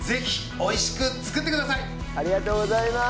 ありがとうございます！